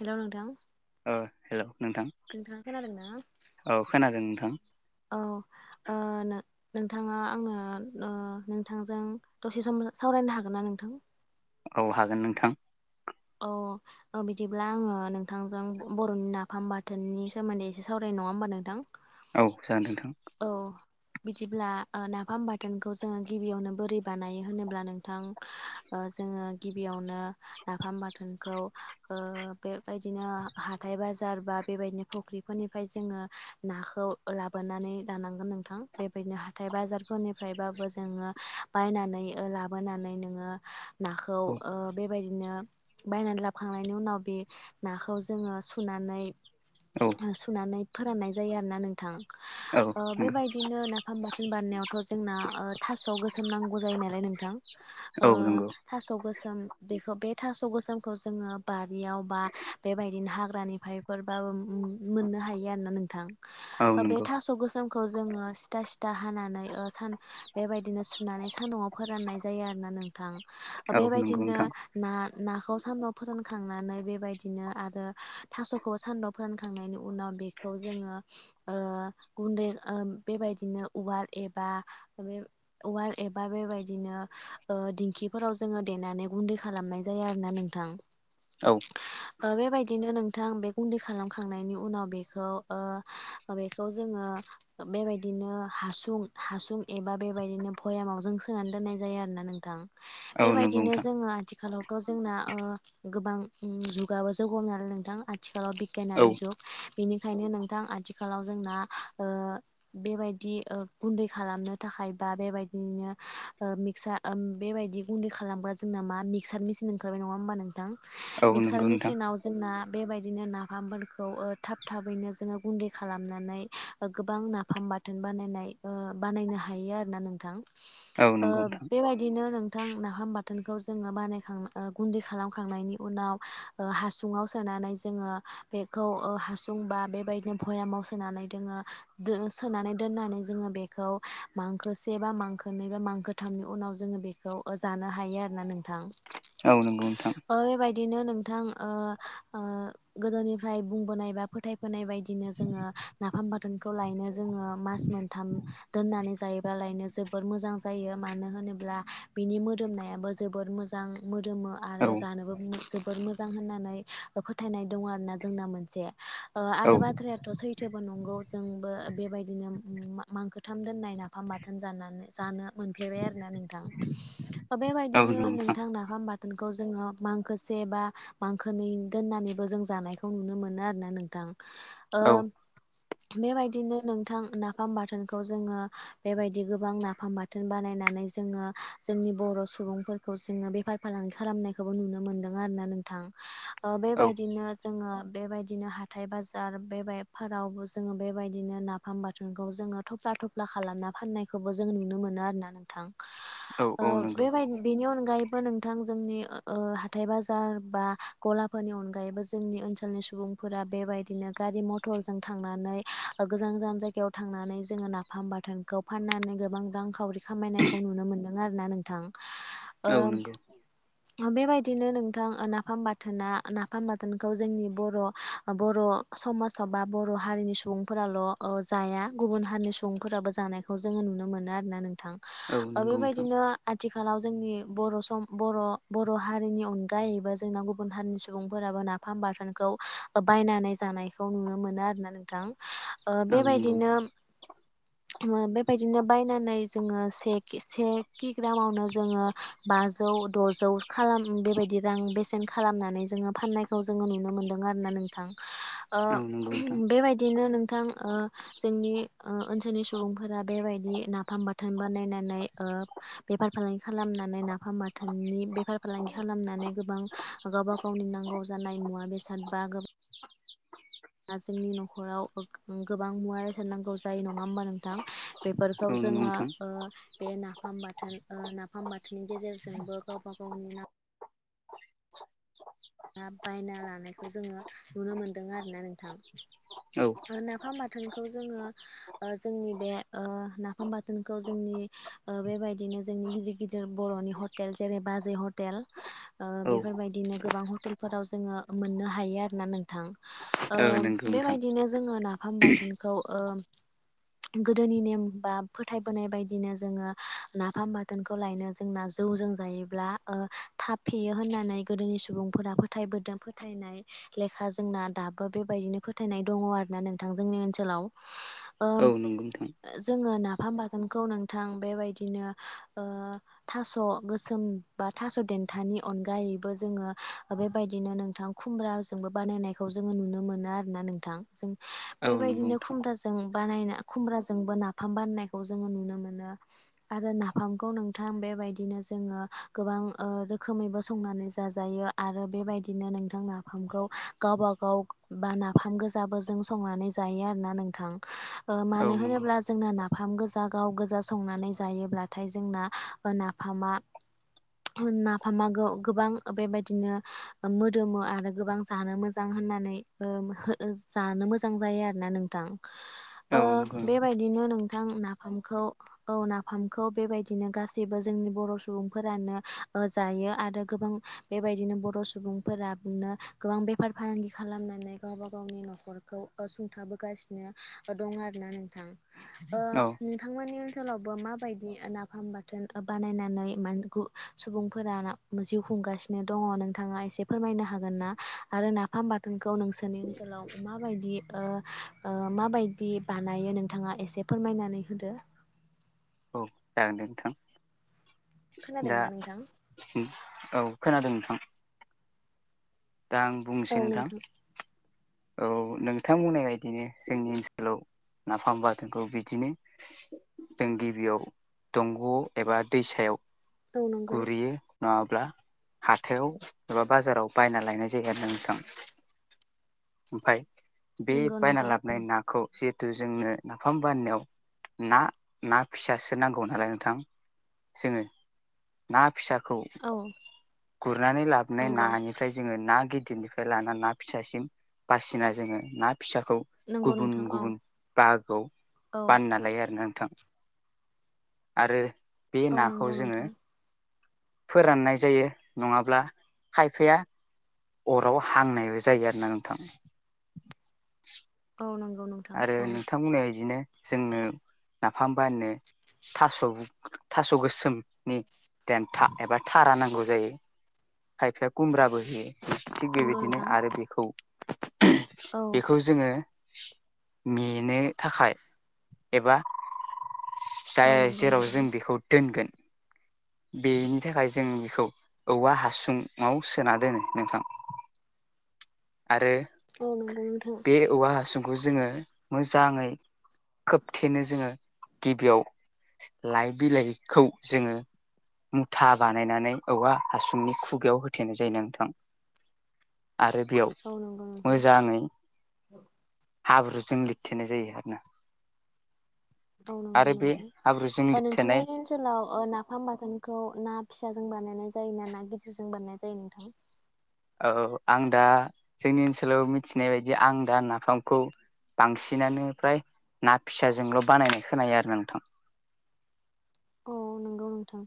Hello नोंथा hello नोंथां खोनादों ना? औ खोनादों नोंथां औ ओ नो नोंथांङा आंनो नोंथांजों दसे सम सावरायनो हागोन ना नोंथां औ हागोन नोंथां औ बिदिब्ला आङो नोंथांजों बर'नि नाफाम बाथोननि सोमोन्दै एसे सावराय नङा होमबा नोंथां औ जानो नोंथां औ बिदिब्ला नाफाम बाथोनखौ जोङो गिबियावनो बोरै बानायो होनोब्ला नोंथां जोङो गिबियावनो नाफाम बाथोनखौ बेबायदिनो हाथाय बाजार बा बेबायदिनो फख्रिफोरनि जों नाखो लाबोनानै लानांगोन नोंथां बेबायनो हाथाइ बाजारफोरनिफाराय बा बो जोङो बायनानै लाबोनानै नोङो नाखौ औ बेबायदिनो बायनानै लाखांनायनि उनाव बे नाखौ जोङो सुनानै औ सुनानै फोराननाय जायो आरोना नोंथां औ नंगौ बेबायदिनो नाफाम बाथोन बारनायावथ' जोंना थास'आव गोसोम नांगौ नांगौ जायो नालाय नोंथां औ नंगौ थास गोसोम बेखो बे थास' गोसोमखौ जोङो बारियाव बा बेबायदिनो हाग्रानिफ्रायफोरबाबो मोन मोननो हायो आरो ना नोंथां औ बे नंगौ थास' गोसोम खौ जोङो सिथा सिथा हानानै सान बेबायदिनो सुनानै सान्दुंआव फोराननाय जायो आरोना नोंथां औ नंगौ बेबायदिनो नोंथां ना नाखौ सान्दुं फोरानखांनानै बेबायदिनो आरो थास'खौबो सान्दुं फोरानखांनायनि उनाव बेखौ जोङो गुन्दै बेबायदिनो उवाल एबा बे उवाल एबा बेबायदिनो दिंखिफोराव जोङो देनानै गुन्दै खालामनाय जायो आरोना नोंथां औ बेबायदिनो नोंथां बे गुन्दै खालामखांनायनि उनाव बेखौ बेखौ जोङो बेबायदिनो हासुं हासुं एबा बेबायदिनो भयामावजों सोनानै दोननाय जायो आरो ना नोंथां औ नंगौ बेबायदिनो नोंथां जोङो आथिखालावथ' जोंना गोबां जुगाबो जौ हमनानै नोंथां आथिखालाव औ बिगियानारि जुग बेनिखायनो नोंथां आथिखालाव जोंना बेबायदि गुन्दै खालाम नो थाखाय बा बेबादिनो मिक्सार मिसिन ओंखारबाय नङा होमबा नोंथां औ मिक्सार नंगौ नोंथां मिसिनाव जोंना बेबायदि बिनो नाफामफोरखौ थाब थाब थैनो जों गुनदै खालामनानै गोबां नाफाम बाथोन बानायनाय बानायनो हायो आरो ना नोंथां औ नंगौ नोंथां बेबायदिनो नोंथां नाफाम बाथोनखौ जोङो बानाय गुन्दै खालामखांनायनि उनाव हासुुंडाव सोनानै जोङो बेखौ हासुंबा बेबायदिनो भयामाव सोनानै दङो सोनानै दोननानै जोङो बेखौ मांखो से बा मांखो नै बा मांखोथामनि उनाव जोङो बेखौ जानो हायो आरो ना नोंथां औ नंगौ नोंथां बेबायदिनो नों बिथां गोदोनिफ्राय बुंबोनाय बा फोथायबोनाय बायदि बिदिनो जोङो नाफाम बाथोनखौ लायनो जोङो मास मोनथाम दोननानै जायोब्लालायनो जोबोर मोजां जायो मानो होनोब्ला बिनि मोदोमनायाबो जोबोर मोजां दोमो औ आरो जानोबो मुसु फोर मोजां होननानै फोथायनाय दङ आरो ना जोंना मोनसे आरो बाथ्रायाथ' सैथोबो नंगौ जोंबो बेबायदिनो मांखोथाम दोननाय नाफाम बाथोन जानानै जानो मोनफेरबाय आरोना नोंथां औ बेबायदिनो नंगौ नोंथां नोंथांना बेखौ जोङो मांखोसे बा मांखोनै दोननानैबो जों जानायखौ नुनो मोनो आरोना नोंथां ओ औ बेबायदिनो नोंथां नाफाम बाथोनखौ जोङो बेबायदि गोबां नाफाम बाथोन बानायनानै जोंनि बर' सुबुं फोरखौ जोंडो बेफार फालांगि खालामनायखौबो नुनो मोनदों आरोना नोंथां औ बेबायदिनो जोङो बेबायदिनो हाथाय बाजार बेफोराव जोङो बेबायदिनो नाफाम बाथोनखौ जोङो थफ्ला थफ्ला खालामना फाननायखौबो जों नुनो मोनो आरोना नोंथां। औ ओ औ नंगौ बेबायद बिनि अनगायैबो नोंग। थों जोंनि ओहाथाय बाजार बा गलाफोरनि अनगायैबो जोंनि ओनसोलनि सुबुंफोरा। बेबायदिनो गारि मथरजों थांनानै गोजान गोजान जायगायाव थांनानै जोङो नाफाम बाथोन। खौ फाननानै गोबां रांखावरि खामायनायखौ नुनो मोन्दों आरोना नोंथां। औ नंगौ बेबायदिनो नोंथां नाफाम बाथोना नाफाम बाथोनखौ जोंनि बर' बर'। बर' समाजाव बा बर' हारिनि सुबुंफोराल' ओ जाया गुबुन हारिनि सुबुंफोराबो जानायखौ। जोङो नुनो मोनो आरोना नोंथां औ नंगौ नोंथां बेबायदिनो आथिखालाव जोंनि बर' सम। बर' बर' हारिनि अनगायैबो जोंना गुबुन हारिनि सुबुंफोराबो नाफाम बाथोनखौ ओब। बायनानै जानायखौ नुनो मोनो आरोना नोंथां। ओ औ नंगौ बेबायदिनो बेबायदिनो बायनानै जोङो सेक। से खक ग्रामावनो जोङो बाज। जौ द'जौ खालाम बेबायदि रां बेसेन खालामनानै जोङो फाननायखौ जोङो नुनो मोनो। नोंग आरोना नोंथों ओ औ नंगौ नोंथां बेबायदिनो नोंग। नोंथां ओ जोंनि ओ ओनसोलनि सुबुंफोरा बेबायदि नाफाम बाथोन बानायनानै। बेफार फालांगि खालामनानै नाफाम। नि बेफार फालांगि खालामनानै गोबां गावबा गावनि नांगौ जानाय मुवा बेसाद बा गोब। दा जोंनि न'खराव गोबां मुवा बेसाद नांगौ जायो नङा होमबा नोंथां। बेफोरखौ औ नंगौ जोङो नोंथां ओ बे नाफाम बाथोन ओ नाफाम बाथोन। गेजेरजोंबो गावबा गावनि नां। ना बायना लानायखौ जोङो नुनो मोन्दों आरोना नोंथां। औ ओ नाफाम बाथ। बाथोनखौ जोंङो जोंनि बे नाफाम बाथोनखौ जोंनि ओ बेबायदिनो। नो जोंनि गिदिर गिदिर बर'नि हटेल जेरै बाजै हटेल। ओ औ बेफोरबायदिनो गोबां हटेलफोराव जोङो मोननो हायो आरो ना नोंथां। ओ औ नंगौ नोंथां बेबायदिनो जोङो नाफाम बाथोनखौ ओ। गोदोनि नेम बा फोथायबोनाय बायदिनो जोङो नाफाम बाथोनखौ लायनो जोंना जा। जौजों जायोब्ला ओ थाब फेयो होननानै गोदोनि सुबुं। फोरा फोथायबोदों फोथायनाय लेखा जोंना दाबो बेबायदिनो फोथायनाय दङ आरो ना नोंथांजों। नि ओनसोलाव औ ओम। नंगौ नोंथां जोङो नाफाम बाथोनखौ नोंथां बेबायदिनो ओ थास' गोसोम। बा थास' देन्थानि अनगायैबो जोङो। बेबायदिनो नोंथां खुमब्राजोंबो बानायनायखौ जोङो नुनो मोनो आरोना नोंथां जों। औ नंगौ बेबायदिनो नोंथां खुमब्राजों। बानायना खुमब्राजोंबो नाफाम बानायनायखौ जोङो नुनो मोनो आरो नाफामखौ नोंथां बे। बेबायदिनो जोङो गोबां ओ रोखोमैबो संनानै जाजायो। आरो बेबायदिनो नोंथां नाफामखौ गावबा गाव बा नाफाम गोजाबो जों संनानै जा। जायो आरोना नोंथां ओ औ मानो नंगौ होनोब्ला जोंना नाफाम। नाफाम गोजा गाव गोजा संनानै जायोब्लाथाय जोंना नाफामा। नाफामागौ गोबां बेबायद। बिदिनो मोदोमो आरो गोबां जानो मोजां होननानै ओ जानो मोजां जाय। जायो‌ आरोना नोंथां ओ औ नंगौ नंगौ बेबायदिनो नोंग। दां नाफामखौ औ नाफामखौ बेबायदिनो गासैबो जोंनि बर' सुबुंफोरानो। ओ जायो आरो गोबां। बेबायदिनो बर' सुबुंफोबनो गोबां बेफार फालांगि खालामनानै गावबा गावनि न'खरखौ। सुंथाबोगासिनो दं आरोना नोंथां। ओ औ नोंथांमोननि ओनसोलावबो मा। बायदि नाफाम बाथोन बानायनानै माने सुबुंफोरा जिउ खुंगासिन। दङ नोंथाङा एसे फोरमायनो हागोन ना आरो नाफाम बाथोनखौ नोंसोरनि ओनसोलाव मा बायदि। माबायदि बानायो नोंथाङा एसे फोरमायनानै होदो औ जागोन दे नोंथां दा खोनादोंना नोंथां औ खोनादों नोंथां दा आं औ बुंनोसै नोंथां औ औ नोंथांमोननाय बायदिनो जोंनि ओनसोलाव नाफाम बाथोनखौ बिदिनो जों गिबियाव दंग' एबा दैसायाव औ नंगौ गुरैयो नङाब्ला हाथायाव एबा बाजाराव बायना लायनाय जायो आरो ना नोंथां ओमफ्राय बे बायना नंगौ नंगौ लाबोनाय नाखौ जिहेथु जोंनो नाफाम बाननायाव ना ना फिसासो नांगौ नालाय नोंथां जोङो ना फिसाखौ औ गुरनानै लाबोनाय नंगौ नानिफ्राय जोङो ना गिदिरनिफ्राय लाना ना फिसासिम बासिना जोङो ना फिसाखौ नंगौ गुबुन नोंथां औ गुबुन बाहागोआव औ बानना लायो आरोना आं थां आरो बे औ नंगौ नाखौ जोङो नोंथां फोराननाय जायो नङाब्ला खायफाया अराव हांनायबो जायो आरो ना नोंथां औ नंगौ नोंथां आरो नोंथांमोना बिदिनो जोंनो नाफामबानोनो थास' थास' गोसोमनि देनथ एबा थारा नांगौ जायो खायफाया खुमब्राबो होयो थिग औ नंगौ बेबायदिनो नोंथां आरो बेखौ औ बेखौ जोङो मेनो थाखाय एबा औ जाय नंगौ जेराव नोंथां जों बेखौ दोनगोन बेनि थाखाय जों बेखौ औवा हासुुंआव सोना दोनो नोंथां [inaudible] आरो औ नंगौ नोंथां औ बे औवा हासुंखौ जोङो मोजाङै खोबथेनो जोङो गिबियाव लाइ बिलाइखौ जोङो मुथा बानायनानै औवा हासुंनि खुगायाव होथेनाय जायो नोंथां [inaudible] आरो बेयाव मोजाङै औ हाब्रुजों लिरथेनाय जायो आरोना औ नंगौ आरो बे हाब्रुजों नोंथां लिरथेनाय नोंथांमोननि ओनसोलाव नाफाम बाथोनखौ ना फिसाजों बानायनाय जायो जाय ना ना गिदिरजों बानायनाय जायो नोंथां औ आं दा जोंनि ओनसोलाव मिथिनाय बायदि आं दा नाफामखौ बांसिनानो फ्राय ना फिसाजोंल' बानायनाय खोनायो आरो नोंथां अ नंगौ नोंथां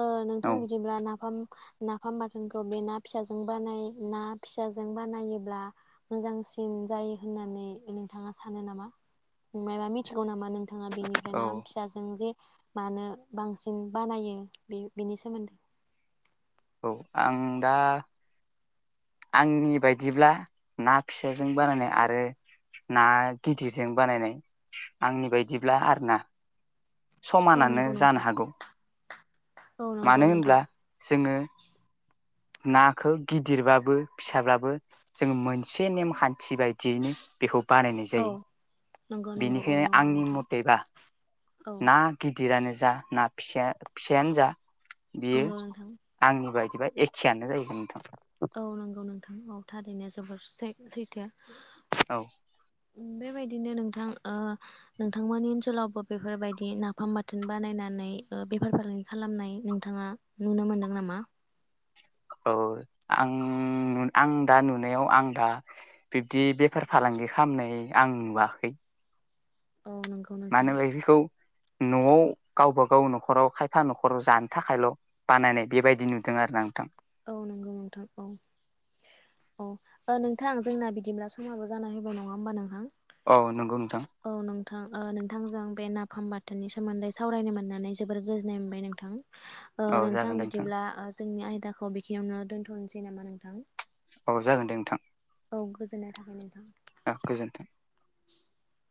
ओ औ नोंथां बिदिब्ला नाफाम नाफाम बाथोनखौ बे ना फिसाजों बानाय ना फिसाजों बानायोब्ला मोजांसिन जायो होननानै नोंथाङा सानो नामा मा मिथिगौ नामा नोंथाङा बेनिफ्राय ना औ फिसाजों जे मानो बांसिन बानायो बे बेनि सोमोन्दै औ आं दा आंनि बायदिब्ला ना फिसा जों बानायनाय आरो ना गिदिरजों बानायनाय आंनि बायदिब्ला आरोना औ समानानो नंगौ नोंथां जानो हागौ औ नंगौ मानो होनब्ला नोंथां जोङो नाखौ गिदिरबाबो फिसाब्लाबो जोङो मोनसे नेमखान्थि बायदियैनो बेखौ बानायनाय औ जायो नंगौ नंगौ औ बेनिखायनो नंगौ आंनि नोंथां मथेबा औ ना गिदिरानो जा ना फिसा फिसायानो जा बियो नंगौ नोंथां आंनि बायदिबा एखेयानो जाहैगोन नोंथां औ नंगौ नोंथां औ थारैनो जोबोर सै सैथो औ बेबायदिनो नोंथां ओ नोंथांमोननि ओनसोलावबो बेफोरबायदि नाफाम बाथोन बानायनानै बेफार फालांगि खालामनाय नोंथाङा नुनो मोन्दों नामा औ आं आं दा नुनायाव आं दा बिब्दि बेफार फालां गि खालामनाय आं नुवाखै औ नंगौ नोंथां मानोबा बेखौ न'आव गावबागाव न'खराव खायफा न'खराव जानो थाखायल' बानायनाय बेबायदि नुदों आरो ना नोंथां औ नंगौ नोंथां औ अ ओ नोंथां जोंना बिदिब्ला समाबो जाना होबाय नङा होमबा नोंथां औ नंगौ नोंथां औ ओ नोंथां नोंथांजों बे नाफ फाम बाथोननि सोमोन्दै सावरायनो मोननानै जोबोर गोजोननाय मोनबाय नोंथां ओ औ नोंथां जागोन दे बिदिब्ला ओ जोंनि आयदाखौ बेखिनियावनोनो दोन्थ'नोसै नामा नोंथां औ जागोन दे नोंथां खौ गोजोननाय थाबाय नोंथां औ गोजोन्थों [inaudible]